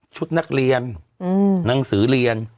ชุดนักเรียนหนังสือเรียน